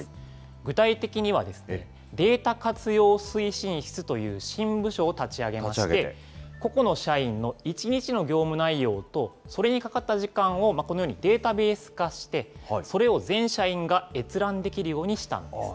具体的には、データ活用推進室という新部署を立ち上げまして、個々の社員の１日の業務内容と、それにかかった時間をこのようにデータベース化して、それを全社員が閲覧できるようにしたんですね。